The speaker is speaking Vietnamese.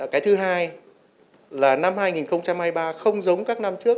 cái thứ hai là năm hai nghìn hai mươi ba không giống các năm trước